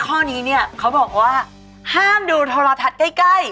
ข้อนี้เนี่ยเขาบอกว่าห้ามดูโทรทัศน์ใกล้